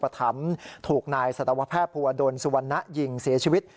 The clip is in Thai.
ถูกนายสะวะแพทย์ผัวโดนสวนน้ะยิงเสียชีวิต